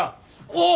おう！